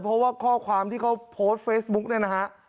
เพราะว่าข้อความที่เขาโพสต์เฟซบุ๊กเนี่ยนะฮะ